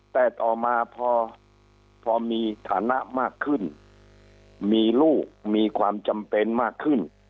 แต่ต่อมาพอมีฐานะมากขึ้นมีลูกมีความจำเป็นมากขึ้น